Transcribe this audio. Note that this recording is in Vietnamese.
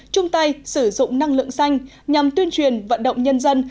chung tay sử dụng năng lượng xanh nhằm tuyên truyền vận động nhân dân